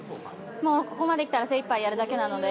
もう、ここまできたら精いっぱいやるだけなので。